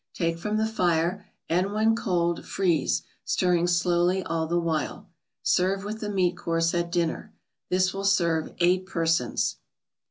Take from the fire, and, when cold, freeze, stirring slowly all the while. Serve with the meat course at dinner. This will serve eight persons.